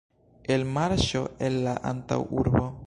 Elmarŝo el la antaŭurbo.